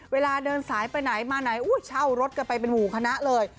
เวลาเดินสายไปไหนมาไหนเช่ารถกันไปเป็นหมู่คณะเลย